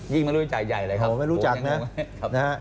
ยิ่งรู้จักใหญ่เลยครับ